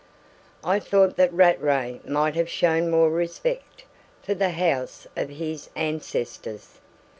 I thought that Rattray might have shown more respect for the house of his ancestors.